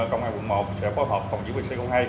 công an quận một sẽ phó phòng bc hai